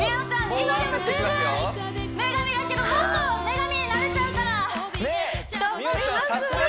今でも十分女神だけどもっと女神になれちゃうからねっ美桜ちゃん